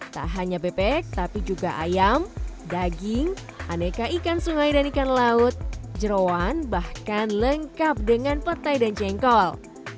tak hanya bebek tapi juga ayam daging aneka ikan sungai dan ikan laut jerawan bahkan lengkap dengan petai dan jengkol